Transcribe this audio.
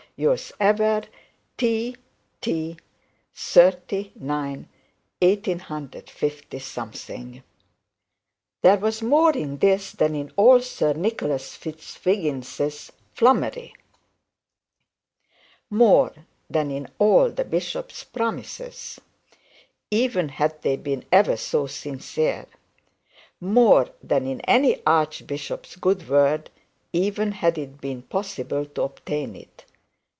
'Yours ever' T.T. '30/9/185 ' There was more in this than in all Sir Nicholas Fitzwiggin's flummery; more than in all the bishop's promises, even had they been ever so sincere; more than in any archbishop's good work, even had it been possible to obtain it.